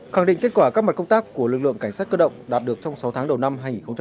khẳng định kết quả các mặt công tác của lực lượng cảnh sát cơ động đạt được trong sáu tháng đầu năm hai nghìn hai mươi